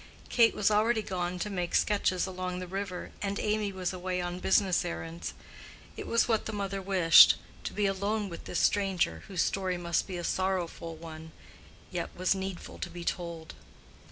Kate was already gone to make sketches along the river, and Amy was away on business errands. It was what the mother wished, to be alone with this stranger, whose story must be a sorrowful one, yet was needful to be told.